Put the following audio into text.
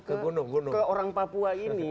ke orang papua ini